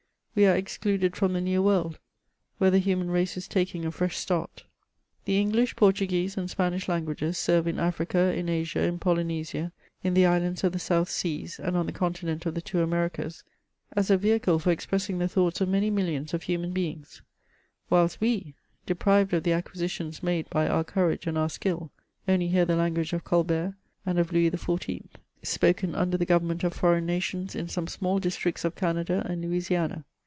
We are ex cluded from the New World, where the human race is taking a fresh start. 282 MEMOIRS OF The EngHshy Portuguese, and Spanish languages serve in Africa, in Asia, in P(^ynesia, in the Iriands of ^e South Seas, and on the continent of the two Americas, as a vehicle for ex pressing the thoughts of many millions of human beii^s ; whilst we, deprived of the aoquicdtions made by our courage and our skill, only hear the language of Colbert and of Louis XIV. spoken und» the government of foreign nations in some small districts of Canada and Louisiana.